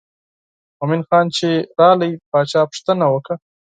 مومن خان چې راغی باچا پوښتنه وکړه.